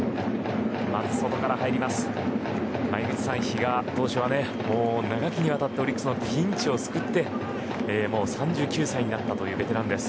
井口さん、比嘉投手は長きにわたってオリックスのピンチを救ってもう３９歳になったというベテランです。